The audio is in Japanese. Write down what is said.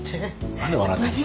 何で笑ってんの。